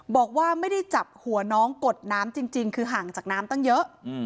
บอกว่าไม่ได้จับหัวน้องกดน้ำจริงคือห่างจากน้ำตั้งเยอะ